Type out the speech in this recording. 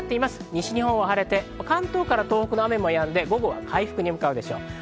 西日本は晴れて、関東から東北の雨もやんで、午後は回復に向かうでしょう。